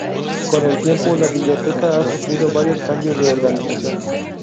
Con el tiempo, la biblioteca ha sufrido varios cambios de organización.